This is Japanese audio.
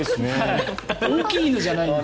大きい犬じゃないので。